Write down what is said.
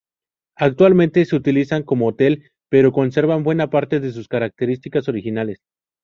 Actualmente se utiliza como Hotel, pero conserva buena parte de sus características originales.